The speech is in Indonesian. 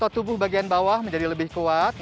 tubuh bagian bawah menjadi lebih kuat